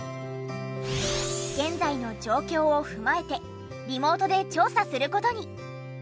現在の状況を踏まえてリモートで調査する事に。